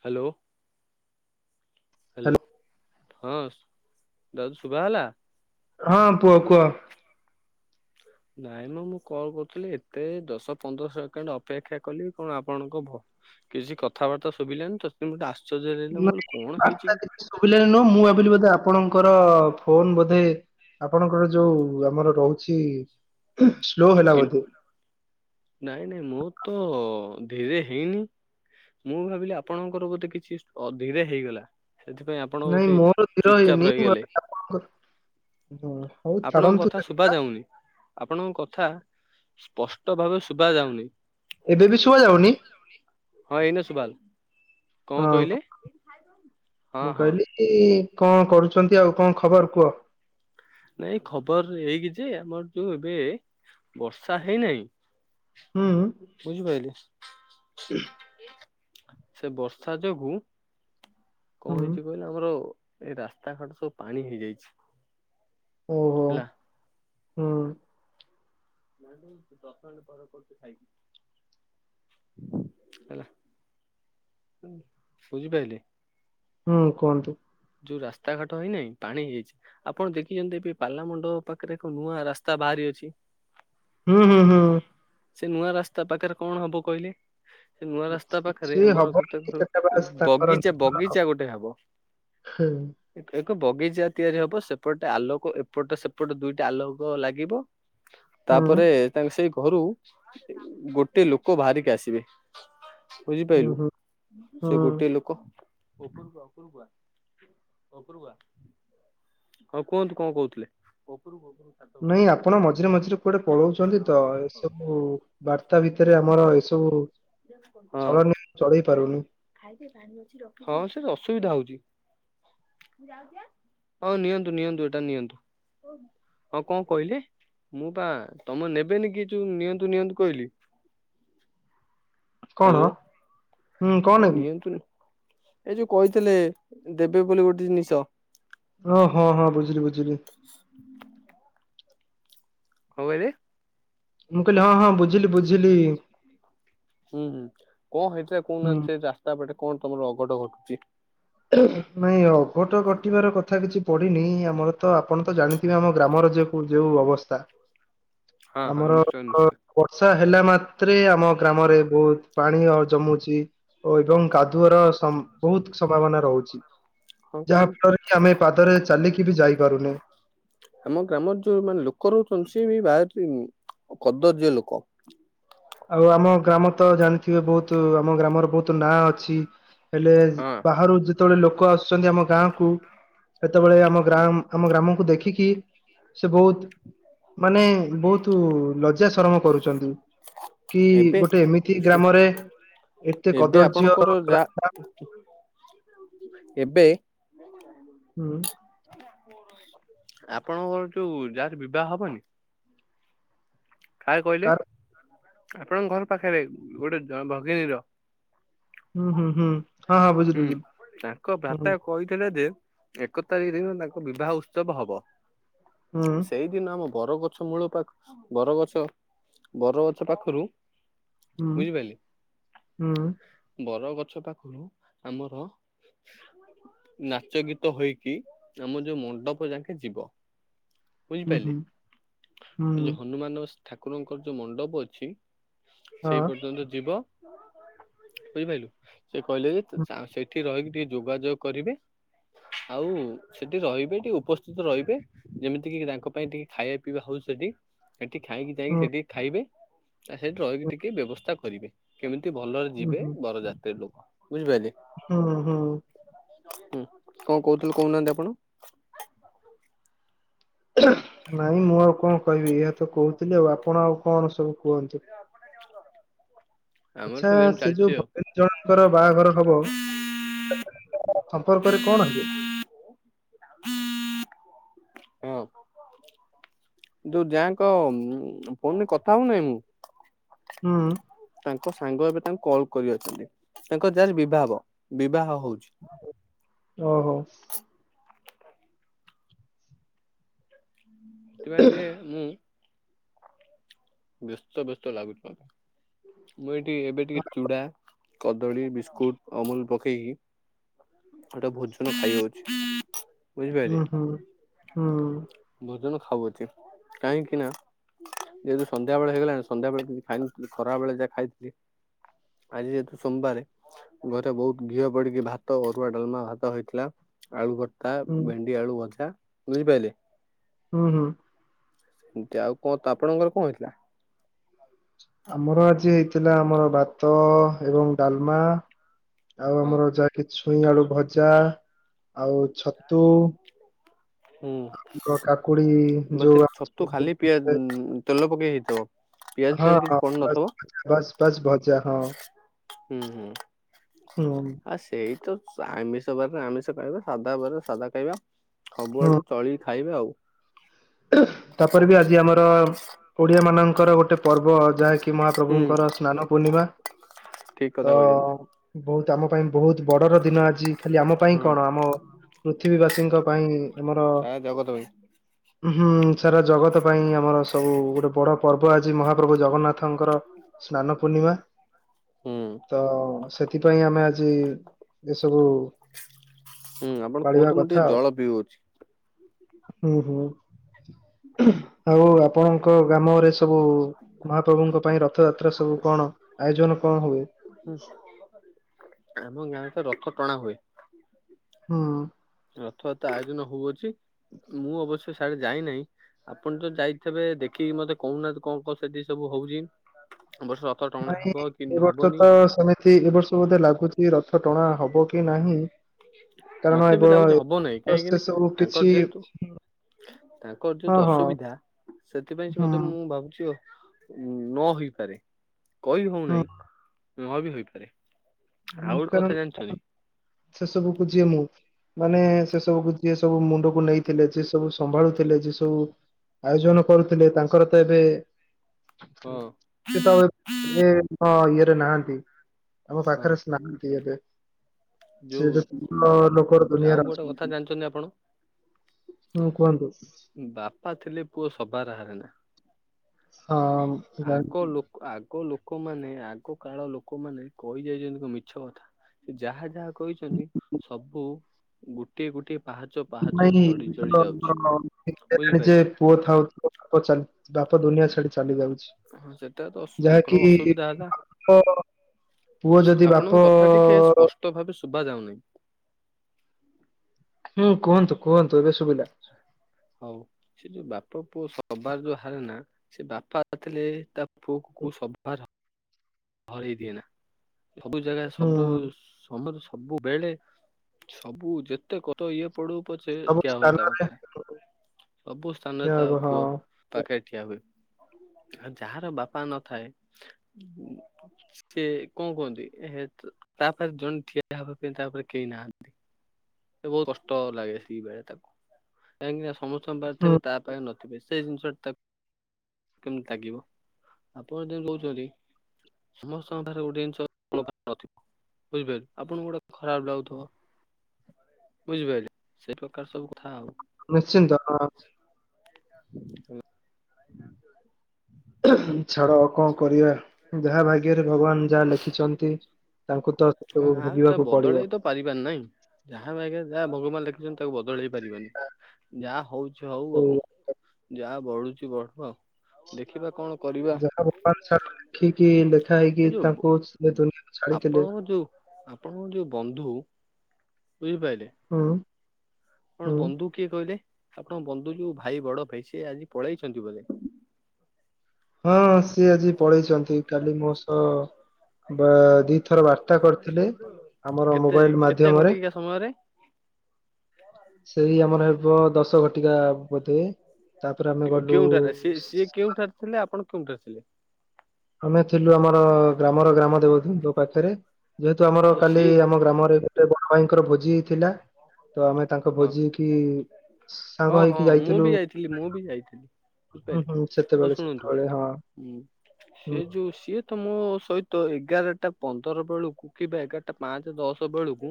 Hello. Hello ହଁ ଦାଦୁ ଶୁଭା ହେଲା? ହଁ କୁହ କୁହ। ନାଇଁ ମ ମୁଁ କଲ କରୁଥିଲି ଏତେ ଦଶ ପନ୍ଦର ସେକେଣ୍ଡ ଅପେକ୍ଷା କଲି କଣ ଆପଣଙ୍କ ଭ କିଛି କଥାବାର୍ତ୍ତା ଶୁଭିଲାନି ତ ମୁଁ ଆ ନାଇଁ ବାର୍ତା କିଛି ସୁଭିଲାନି ନୁହଁ ମୁଁ ଭାବିଲି ବୋଧେ ଆପଣଙ୍କର [unintelligible] ଫୋନ ବୋଧେ ଆପଣଙ୍କର ଯୋଉ ଆମର ରହୁଛି ସ୍ଲୋ ହେଲା ବୋଧେ କିଛିନୁ ନାଇଁ ନାଇଁ ମୁଁ ତ ଅ ଧୀରେ ହେଇନି ମୁଁ ଭାବିଲି ଆପଣଙ୍କର ବୋଧେ କିଛି ଅ ଧୀରେ ହେଇଗଲା। ସେଥିପାଇଁ ଆପଣ ନାଇଁ ଗୋଟେ ମୋର ଧୀର ଚୁପଚାପ ହେଇନି ମୁଁ ରହିଗଲେ। ଭାବିଲି ଆପଣଙ୍କର ହଁ ହଉ ଆପଣଙ୍କ ଛାଡନ୍ତୁ କଥା ଶୁଭା ସେକଥା ଯାଉନି। ଆପଣଙ୍କ କଥା ସ୍ପଷ୍ଟ ଭାବେ ଶୁଭା ଯାଉନି। ଏବେ ବି ଶୁଭା ଯାଉନି ହଁ ଏଇନା ସୁଭାଗଲା ହଁ କଣ କହିଲେ? ହଁ ମୁଁ ହଁ। କହିଲି କି କଣ କରୁଛନ୍ତି ଆଉ କଣ ଖବର କୁହ? ନାଇଁ ଖବର ଏଇକି ଯେ ଆମର ଯୋଉ ଏବେ ବର୍ଷା ହେଇନାହିଁ ହୁଁ ବୁଝିପାଇଲେ ସେ ବର୍ଷା ଯୋଗୁ କଣ ହୁଁ ହେଇଛି କହିଲେ ଆମର ଏଇ ରାସ୍ତାଘାଟ ସବୁ ପାଣି ହେଇଯାଇଛି। ଓହୋ ହେଲା। ହୁଁ। ନାଇଁ ତ ଦଶ ମିନିଟ ପରେ କରୁଚି ଖାଇକି। ହେଲା ବୁଝି ପାଇଲେ? ହୁଁ କୁହନ୍ତୁ। ଯୋଉ ରାସ୍ତା ଘାଟ ହେଇନାହିଁ ପାଣିହେଇଯାଇଛି ଆପଣ ଦେଖିଛନ୍ତି ଏବେ ପାଲାମଣ୍ଡପ ପାଖରେ ଏକ ନୂଆ ରାସ୍ତା ବାହାରି ଅଛି। ହୁଁ ହୁଁ ହୁଁ। ସେ ନୂଆ ରାସ୍ତା ପାଖରେ କଣ ହବ କହିଲେ? ସେ ନୂଆ ରାସ୍ତା ପାଖରେ କିଛି ଆମର ହବନି କେତେକ ସେଟା ବାସ୍ ତାଙ୍କର ବଗିଚା ନିଜର ବଗିଚା ଗୋଟେ ହେବ। ହୁଁ। ବଗିଚା ତିଆରି ହବ ସେପଟେ ଆଲୋକ ଏପଟ ସେପଟେ ଦୁଇଟା ଆଲୋକ ଲାଗିବ। ହୁଁ ତାପରେ ତାଙ୍କ ସେଇ ଘରୁ ଗୋଟେ ଲୋକ ବାହରିକି ଆସିବେ। ବୁଝିପାଇଲୁ ହୁଁ ହୁଁ ସେ ହୁଁ ଗୋଟିଏ ଲୋକ ଅପୁରୁକୁ ଆ ହଁ କୁହନ୍ତୁ କଣ କହୁଥିଲେ। ନାଇଁ ଆପଣ ମଝିରେ ମଝିରେ କୁଆଡେ ପଳଉଛନ୍ତି ତ ସବୁ ବାରତା ଭିତରେ ଆମର ସବୁ ହଁ ହଁ ସେ ଅସୁବିଧା ହଉଛି। ହଁ ନିଅନ୍ତୁ ନିଅନ୍ତୁ ଅଟା ନିଅନ୍ତୁ। ହଁ କଣ କହିଲେ? ମୁଁ ପା ତମ ନେବେନି କି ଯୋଉ ନିଅନ୍ତୁ ନିଅନ୍ତୁ କହିଲି। କଣ? ହ୍ୟାଲୋ ହୁଁ କଣ ଏ ନେବି ନିଅନ୍ତୁନି ଏ ଯୋଉ କହିଥିଲେ ଦେବେ ବୋଲି ଗୋଟେ ଜିନିଷ। ଓ ହଁ ହଁ ବୁଝିଲି ବୁଝିଲି। କଅଁ କହିଲେ? ମୁଁ କହିଲି ହଁ ହଁ ବୁଝିଲି ବୁଝିଲି। ହୁଁ ହୁଁ କଣ ହେଇଥିଲା ହୁଁ କହୁନାହାନ୍ତି ସେଇ ରାସ୍ତା ପଟେ କଅଁ ତମର ଅଘଟ ଘଟୁଛି। ନାଇଁ ଅଘଟ କଟିବାର କଥା କିଛି ପଡିନି ଆମର ତ ଆପଣ ତ ଜାଣିଥିବେ ଆମ ଗ୍ରାମର ଯେ ପୁର ଯେଉ ଅବସ୍ତା। ଚୁଭ୍ ଆମର ଅ-ଅ ବର୍ଷା ହେଲା ମାତ୍ରେ, ଆମ ଗ୍ରାମରେ ବହୁତ ପାଣି ଓ ଜମୁଛି ଓ ଏବଂ କାଦୁଅର ସମ୍ ବହୁତ ସମ୍ଭାବନା ରହୁଛି। ହଁ ଯାହା କହିବି ଫଳରେ କି ଆମେ ପାଦରେ ଚାଲିକି ବି ଯାଇପାରୁନି। ଆମ ଗ୍ରାମର ଯୋଉ ମାନେ ଲୋକ ରହୁଛନ୍ତି, ସେଇବି ଭାଆରିଁ କଦର୍ଯ୍ୟ ଲୋକ। ଆଉ ଆମ ଗ୍ରାମ ତ ଜାଣିଥିବେ! ବହୁତ ଆମ ଗ୍ରାମର ବହୁତ ନାଁ ଅଛି। ହେଲେ, ହଁ। ବାହାରୁ ଯେତେବେଳେ ଲୋକ ଆସୁ ଆସଛନ୍ତି ଆମ ଗାଁ କୁ ହେତେବେଳେ ଆମ ଗ୍ରା! ଆମ ଗ୍ରାମକୁ ଦେଖିକି ସେ ବହୁତ ମାନେ, ବହୁତୁ ଲଜ୍ୟା ଶରମ କରୁଚନ୍ତି। ଏବେ ଶୁ ଏତେ ଏବେ କଦର୍ଯ୍ୟ ଆପଣଙ୍କର ଯା ରାସ୍ତା ଏବେ, ହୁଁ। ଆପଣଙ୍କର ଯୋଉ, ଯାହାର ବିବାହ ହବନି! କାର କହିଲେ! ଆପଣଙ୍କ ଘର ପାଖରେ, ଗୋଟେ ଭଗିନୀର ହୁଁ ହୁଁ ହୁଁ ହଁ ହଁ ବୁଝିଲି ହୁଁ, ବୁଝିଲି ତାଙ୍କ ହୁଁ ବାପା କହିଥିଲେ ଯେ ଏକ ତାରିଖ ଦିନ ତାଙ୍କ ବିବାହ ଉତ୍ସବ ହବ। ହୁଁ ସେଇଦିନ ମୋ ବରଗଛ ମୂଳ ପାଖ, ବରଗଛ! ବରଗଛ ପାଖରୁ ହୁଁ ବୁଝିପାଇଲି। ହୁଁ ବର ଗଛ ପାଖରୁ ଆମର ନାଚ ଗୀତ ହୋଇକି। ଆମ ଯୋଉ ମଣ୍ଡପ ଯାଁକେ ଯିବ। ବୁଝିପାଇଲେ। ହୁଁ ହୁଁ ସେ ହୁଁ ଯୋଉ ହନୁମାନ ସ ଠାକୁରଙ୍କର ଯୋଉ ମଣ୍ଡପ ଅଛି। ହଁ ସେଇ ପର୍ଯ୍ୟନ୍ତ ଯିବ। ବୁଝିପାଇଲୁ! ସେ କହିଲେ ଯେ, ତ ହୁଁ ସା ସେଠି ରହିକି ଟିକେ ଯୋଗାଯୋଗ କରିବେ। ଆଉ ସେଠି ରହିବେ ଟିକେ, ଉପସ୍ଥିତ ରହିବେ ଯେମିତି କି, ତାଙ୍କ ପାଇଁ ଟିକେ ଖାଇବା ପିଇବା ହଉଛି ସେଠି। ଏଠି ଖାଇକି ଯାଇକି ସେଠି ଖାଇବେ। ଆଉ, ସେଠି ରହିକି ଟିକେ ବ୍ୟବସ୍ଥା କରିବେ। କେମିତି ଭଲରେ ଯିବେ। ବରଜାତିରି ଲୋକ। ବୁଝିପାରିଲେ ହଁ, ହଁ। ହୁଁ, କଣ କହୁଥୁଲ କହୁନାହାଁନ୍ତି ଆପଣ? ନାଇଁ ମୁଁ, ଆଉ କଣ କହିବି! ଇଆତ କହୁଥିଲି। ଆଉ ଆପଣ ଆଉ କଣ ସବୁ କୁହନ୍ତୁ? ଆମର ଆଚ୍ଛା, ସବୁ ଏମିତି ସେ ଯୋଉ ଚାଲିଛି ଆଉ ଭଗିନୀ ଜଣଙ୍କର ବାହାଘର ହବ! ସମ୍ପର୍କରେ କଣ ହେବେ? ହଁ। ଯୋଉ ଯାଙ୍କ ଫୋନ୍ ରେ କଥା ହଉନାହିଁ, ମୁଁ ହୁଁ। ତାଙ୍କ ସାଙ୍ଗ ଏବେ ତାଙ୍କୁ କଲ୍ କରି ଅଛନ୍ତି। ତାଙ୍କର ଯାର୍ ବିବାହ ହବ। ବିବାହ ହଉଛି। ଓହୋ! କି ପାଇଁ ଟିଏ ମୁଁ ବ୍ୟସ୍ତ ବ୍ୟସ୍ତ ଲାଗୁଛିମ। ମୁଁ ଏଇଠି ଏବେ ଟିକେ ଚୁଡା କଦଳୀ, ବିସ୍କୁଟ, ଅମୁଲ ପକେଇକି, ହେଟା ଟା ଭୋଜ୍ ତେଣୁ, ଖାଇ ହଉଛି। ବୁଝିପାଇଲେ! ହୁଁ ହୁଁ ହୁଁ ଭୋଜନ ଖାଉ ଅଛି। କାହିଁକି ନା ଯେହେତୁ, ସନ୍ଧ୍ୟାବେଳେ ହେଇଗଲାଣି। ସନ୍ଧ୍ୟାବେଳେ କିଛି ଖାଇନଥିଲି ଖରାବେଳେ, ଯାହା ଖାଇଥିଲି। ଆଜି ଯେହେତୁ, ସୋମବାରେ ଘରେ ବହୁତ ଘିଅ ପଡିକି, ଭାତ ଅରୁଆ, ଡାଲମା ଭାତ ହେଇଥିଲା। ଆଳୁ ଭର୍ତା, ହୁଁ ଭେଣ୍ଡି ଆଳୁ ଭଜା, ବୁଝିପାଇଲେ! ହୁଁ, ହୁଁ। ଏମତି ଆଉ। କଣ ତ ଆପଣଙ୍କର କଣ ହେଇଥିଲା? ଆମର ଆଜି ହେଇଥିଲା ଆମର ଭାତ ଏବଂ ଡାଲମା, ଆଉ, ହଁ ଆମର ଯାହାକି ଛୁଇଁ ଆଳୁ ଭଜା, ଆଉ ଛତୁ, ହୁଁ ଆମ୍ବ କାକୁଡି-ଇ ମତେ ଯଉ ଛତୁ ଖାଲି ପିଆଜ [inaudible] ତେଲ ପକେଇ ହେଇଥିବ। ପିଆଜ ହଁ, ଫିଆଜ କିଛି ହଁ ପଡି ବସ୍ ନଥିବ ଭଯା, ବସ୍ ବସ୍, ଭଯା ହଁ। ହୁଁ ହୁଁ ହୁଁ ଆ ସେଇ ତ ଆମିଷ ବାରରେ ଆମିଷ ଖାଇବା ସାଧା ବାରରେ ସାଧା ଖାଇବା ସବୁ ହୁଁ ଆଡକୁ ଚଳିକି ଖାଇବେ ଆଉ। ତାପରେ ବି ଆଜି ଆମର ଓଡିଆ ମାନଙ୍କର ଗୋଟେ ପର୍ବ ଯାହାକି ହୁଁ ମହାପ୍ରଭୁଙ୍କର ସ୍ନାନ ପୂର୍ଣ୍ଣିମା ଠିକ କଥା ତ କହିଛନ୍ତି ବୋହୁତ ଆମ ପାଇଁ ବୋହୁତ ବଡର ଦିନ ଆଜି ଖାଲି ଆମ ପାଇଁ ହଁ କଣ ଆମ ପୃଥିବୀ ବାସୀଙ୍କ ପାଇଁ ଆମର ସାରା ଜଗତ ପାଁଇ। ହୁଁ ସାରା ଜଗତ ପାଇଁ ଆମର ସବୁ ଗୋଟେ ବଡ ପର୍ବ ଆଜି ମହାପ୍ରଭୁ ଜଗନ୍ନାଥ ଙ୍କର ସ୍ନାନ ପୂର୍ଣ୍ଣିମା ହୁଁ ତ ସେଥିପାଇଁ ଆମେ ଆଜ୍ ଯେ ଇଏ ଏସବୁ ହୁଁ ଆପଣ ପାଳିବା କୁହନ୍ତୁ ମୁଁ କଥା ଟିକେ ଆଉ ଜଳ ପିଉଅଛି। ହୁଁ ହୁଁ ହୋଉ ଆପଣଙ୍କ ଗ୍ରାମରେ ସ୍ ସବୁ ମହାପ୍ରଭୁଙ୍କ ପାଇଁ ରଥଯାତ୍ରା ସବୁ କଣ ଆୟୋଜନ କଣ ହୁଏ? ହୁଁ। ଆମ ଗାଁରେ ତ ରଥ ଟଣା ହୁଏ। ହଁ। ରଥଯାତ୍ରା ଆୟୋଜନ ହୋଉଅଛି ମୁଁ ଅବଶ୍ୟ ସ୍ୟାଡେ ଯାଇନାହିଁ ଆପଣ ତ ଯାଇଥିବେ ଦେଖିକି ମତେ କୋହୁନାହାନ୍ତି କଣ କଣ ସେଠି ସବୁ ହୋଉଚି? ନାଇଁ ଏ ବର୍ଷ ତ ସେମିତି ଏ ବର୍ଷ ବୋଧେ ଲାଗୁଚି କି ରଥ ଟଣା ହବ କି ନାହିଁ କାରଣ ମତେ ଏବ ବି ଲାଗୁଚି ଏ ହବ ନାହିଁ ବର୍ଷ ସେ କାହିଁକିନି ସବୁ କିଛି ତାଙ୍କର ଯେହେତୁ ତାଙ୍କର ହଁ ଯେତୁ ହଁ ଅସୁବିଧା ସେଥିପାଇଁ ସେ ହୁଁ ବୋଧେ ମୁଁ ଭାବୁଚି ଆ ନ ହୋଇପାରେ କହି ହୁଁ ହୋଉନାହିଁ ନ ବି ହୋଇପାରେ। ଆଉ ଉଁ, ଗୋଟେ କାରଣ କଥା ଜାଣିଚନ୍ତି? ସେ ସବୁକୁ ଯିଏ ମୁଁ ମାନେ ସେ ସବୁକୁ ଯିଏ ସବୁ ମୁଣ୍ଡକୁ ନେଇଥିଲେ, ଯିଏ ସବୁ ସମ୍ଭାଳୁଥିଲେ, ଯିଏ ସବୁ ଆୟୋଜନ କରୁଥୁଲେ ତାଙ୍କର ତ ଏବେ ହଁ ସିଏ ତ ଆଉ ଏ ଇଏ ଆମ ଇଏରେ ନାହାନ୍ତି ଆମ ହଁ ପାଖରେ ଉଁ କିଏ ଦେ ଯୋଉ ଉ ଉ ଲୋକର ଆଉ ଦୁନିଆରେ ଗୋଟେ କଥା ଅଛନ୍ତି। ଜାଣିଚନ୍ତି ଆପଣ? ହୁଁ କୁହନ୍ତୁ ବାପା ଥିଲେ ପୁଅ ସବାରେ ହାରେନା। ହଁ ଆଗ ଜାଣିଛି। ଲୋକ ଆଗ ଲୋ ଲୋକମାନେ ଆଗ କାଳ ଲୋକମାନେ କହି ଯାଇଚନ୍ତି କଣ ମିଛକଥା। ସେ ଯାହା ଯାହା କହିଛନ୍ତି ସବୁ ଗୋଟିଏ ଗୋଟିଏ ପାହାଚ ପାହାଚ ନାଇଁ ଚଢି ଚଢି ଯାଉଛି ନ ନ ନ [unintelligible] ଯେ ବୁଝିପାରିଲେ ପୁଅ ଥାଉ ଥାଉ ବାପ ଚାଲି ବାପ ଦୁନିଆ ଛାଡି ଚାଲି ଯାଉଛି ହଁ ସେଟା ତ ଅସୁ- ତାଙ୍କର ଯାହାକି ଅସୁବିଧା ହେଲା। ବାପ ପୁଅ ଯଦି ଆପଣଙ୍କ କଥା ଟିକେ ସ୍ପଷ୍ଟ ଭାବେ ଶୁଭାଯାଉନାଇଁ। ହଁ କୁହନ୍ତୁ କୁହନ୍ତୁ ଏବେ ଶୁଭିଲା। ହଉ ଆକଚୋଲି ବାପ ପୁଅ ସବାରେ ଯୋଉ ହାରେନା ସେ ବାପା ଥିଲେ ତା ପୁଅକୁ କୋଉ ସବାରେ ହ ହରେଇ ଦିଏନା ସେ ସବୁ ଜାଗା ସବୁ ହୁଁ ସମୟରେ ସ ସବୁବେଳେ ସବୁ ଯେତେ କତ ଇଏ ପଡୁ ପଛେ ସବୁ ଠିଆହୁଏ ତା ସ୍ଥାନରେ ପାଖରେ। ସବୁ ସ୍ଥାନରେ ଠିଆ ତା ହବ ପୁଅ ହଁ। ପାଖରେ ଠିଆହୁଏ। ଆଉ ଯାହାର ବାପା ନଥାଏ ଉଁ ସିଏ କଣ କୁହନ୍ତି ଏହେ ତ ତାପାଖରେ ଜଣେ ଠିଆ ହବା ପାଇଁ ତାପାଖରେ କେହି ନାହାନ୍ତି। ସେ ବୋହୁତ କଷ୍ଟ ଲାଗେ ସେଇ ବେଳେ ତାକୁ କାହିଁକି ନା ସମସ୍ତଙ୍କ ପାଖରେ ହୁଁ ଥିବେ ତା ପାଖରେ ନଥିବେ ସ୍ ସେଇ ଜିନିଷଟା ତାକୁ କେମିତି ଲାଗିବ ଆପଣ ଯେମି କୋହୁଚନ୍ତି ସମସ୍ତଙ୍କ ପାଖରେ ଗୋଟିଏ ଜିନଷ ଆପଣଙ୍କ ପାଖରେ ନଥିବ। ବୁଝିପାରିଲେ ଆପଣଙ୍କୁ ଗୋଟେ ଖରାପ ଲାଗୁଥୁବ ବୁଝିପାଇଲେ ସେଇ ପ୍ରକାର ସବୁ କ ନିଶ୍ଚିନ୍ତ ହଁ। ଆଜ୍ଞା ଛାଡ ଆଉ କଣ କରିବା ଯାହା ଭାଗ୍ୟରେ ଭଗବାନ ଯାହା ଲେଖିଛନ୍ତି। ତାଙ୍କୁ ତ ହଁ ସବୁ ଆଉ ତା ଭୋଗିବାକୁ ପଡିବ ବଦଳେଇ ତ ପାରିବନାହିଁ ଯାହା ଭାଗ୍ୟ ରେ ଯାହା ଭଗବାନ ଲେଖିଛନ୍ତି ତାକୁ ବଦଳେଇ ପାରିବାନି, ଯାହା ହଉଛି ହଉ ସେଇ ଆଉ। ଯାହା ବଢୁଛି ବଢୁ ଆଉ ଦେଖିବା କଣ କରିବା ଯାହା ର [unintelligible] ଲେଖିକି ଲେଖା ହେଇକି ଏ ଯୋଉ ବ- ତାଙ୍କୁ ସେ ଦୁନିଆକୁ ଛାଡିଥିଲେ ଆପଣଙ୍କ ଯୋଉ ଆପଣଙ୍କ ଯୋଉ ବନ୍ଧୁ ବୁଝିପାଇଲେ। ହୁଁ ଆପଣ ହୁଁ ବନ୍ଧୁ କିଏ କହିଲେ? ଆପଣଙ୍କ ବନ୍ଧୁ ଯୋଉ ଭାଇ ବଡ ଭାଇ ସେ ଆଜି ପଳେଇଛନ୍ତି ବୋଧେ। ହଁ ସିଏ ଆଜି ପଳେଇଛନ୍ତି। କାଲି ମୋ ସହ ବା ଦିଥର ବାର୍ତ୍ତା କରିଥିଲେ ଆମର କେତେ ମୋବାଇଲ କେତେ ମାଧ୍ୟମରେ। ଘଟିକା ସମୟରେ ସେଇ ଆମର ହେବ ଦଶ ଘଟିକା ବୋଧେ। ତାପରେ ଆମେ କେ ଗଲୁ କେଉଁଠାରେ ସେ ସି ସିଏ କେଉଁଠାରେ ଥିଲେ ଆପଣ କେଉଁଠାରେ ଥିଲେ? ଆମେ ଥିଲୁ ଆମର ଗ୍ରାମର ଗ୍ରାମ ଦେବତୀଙ୍କ ପାଖରେ। ଯେହେତୁ ଆମର ଆଉ କାଲି ସିଏ ଆମ ଗ୍ରାମରେ ଗୋଟେ ବଡ ଭାଇଙ୍କର ଭୋଜି ଥିଲା। ତ ଆମେ ତାଙ୍କ ହଁ ଭୋଜିିକି ହଁ ହଁ ମୁଁ ବି ଯାଇଥିଲି, ମୁଁ ବି ଯାଇଥିଲି। ହୁଁ ବୁଝିପାଇଲେ ହୁଁ ହଉ ସେତେବେଳେ ଶୁଣନ୍ତୁ ସେତେବେଳେ ହଁ ହୁଁ ହୁଁ ସେ ଯୋଉ ସିଏ ତମ ସହିତ ଏଗାରଟା ପନ୍ଦର ବେଳକୁ କିମ୍ବା ଏଗାରଟା ପାଞ୍ଚ ଦଶ ବେଳକୁ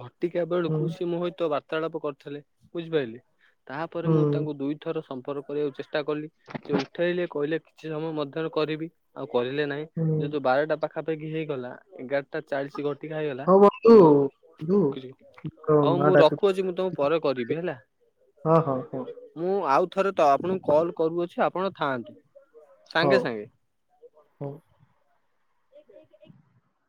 ଘ ଘଟିକା ହୁଁ। ବେଳକୁ ସେ ମୋ ସହିତ ବାର୍ତ୍ତାଳାପ କରିଥିଲେ ବୁଝିପାଇଲେ। ତାପରେ ମୁଁ ହୁଁ ତାଙ୍କୁ ଦୁଇଥର ସମ୍ପର୍କ କରିବାକୁ ଚେଷ୍ଟା କଲି ସେ ଉଠେଇଲେ କହିଲେ କିଛି ସମୟ ମଧ୍ୟରେ କରିବି। ଆଉ କରିଲେ ନାହିଁ ହୁଁ ଯେହେତୁ ବାରଟା ପାଖାପାଖି ହେଇଗଲା ଏଗାର ଟା ଚାଳିଶି ଘଟିକା ହେଇଗଲା ହଉ ବନ୍ଧୁ ମୁଁ ଆଉ ବନ୍ଧୁ ମୋ ହଉ ମା ମୁଁ ରଖୁଅଛି ମୁଁ ଡାକୁଛି। ତମକୁ ପରେ କରିବି ହେଲା। ହଁ ହଁ ହଁ। ମୁଁ ଆଉ ଥରେ ତ ଆପଣଙ୍କୁ କଲ୍ କରୁଅଛି ଆପଣ ଥାଆନ୍ତୁ ହଉ, ସାଙ୍ଗେ ସାଙ୍ଗେ। ହଉ। [inaudible]